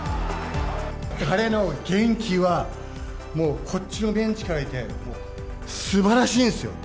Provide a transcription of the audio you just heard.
彼の元気は、もうこっちのベンチから見て、もう、すばらしいんですよ！